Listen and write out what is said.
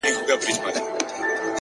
• په دغه خپل وطن كي خپل ورورك،